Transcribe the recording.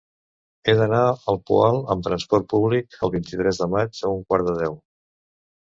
He d'anar al Poal amb trasport públic el vint-i-tres de maig a un quart de deu.